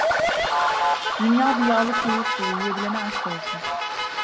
Dünya bir yağlı kuyruktur; yiyebilene aşk olsun.